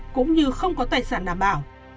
cũng như không có tài sản đảm bảo